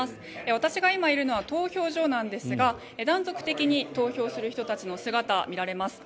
私が今いるのは投票所なんですが断続的に投票する人たちの姿が見られます。